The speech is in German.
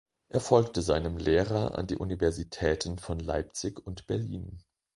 Er folgte seinem Lehrer an die Universitäten von Leipzig und Berlin.